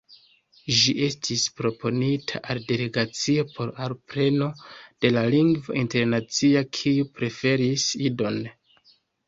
Ĝi estis proponita al Delegacio por alpreno de la lingvo internacia, kiu preferis Idon.